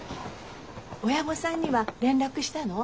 親御さんには連絡したの？